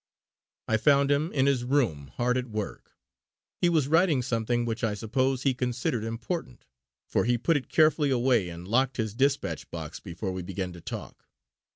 I found him in his room hard at work. He was writing something which I suppose he considered important, for he put it carefully away and locked his despatch box before we began to talk.